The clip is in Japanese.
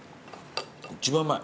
一番うまい。